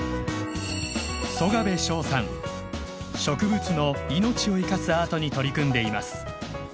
植物の命を生かすアートに取り組んでいます。